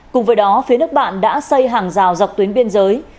cùng với đó phía nước bạn đã xây hàng rào dọc tuyến biên giới